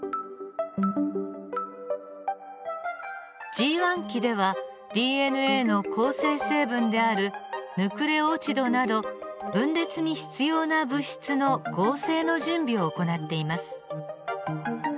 Ｇ期ではＤＮＡの構成成分であるヌクレオチドなど分裂に必要な物質の合成の準備を行っています。